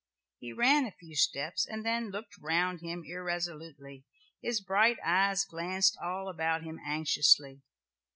He ran a few steps and then looked round him irresolutely; his bright eyes glanced all about him anxiously.